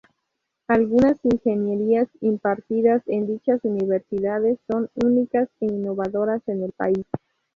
Algunas ingenierías impartidas en dichas universidades, son únicas e innovadoras en el país.